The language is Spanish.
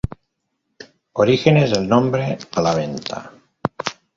Orígenes del nombre la venta.